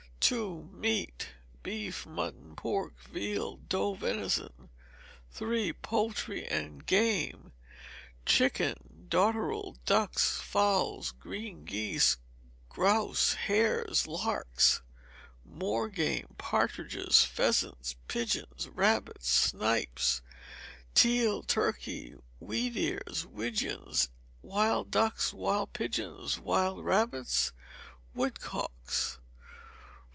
ii. Meat. Beef, mutton, pork, veal, doe venison. iii. Poultry and Game. Chickens, dotterel, ducks, fowls, green geese, grouse, hares, larks, moor game, partridges, pheasants, pigeons, rabbits, snipes, teal, turkey, wheat ears, widgeon, wild ducks, wild pigeons, wild rabbits, woodcocks.